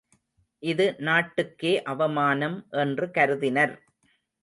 இது நாட்டுக்கே அவமானம் என்று கருதினர்.